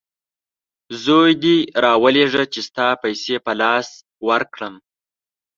زوی دي راولېږه چې ستا پیسې په لاس ورکړم!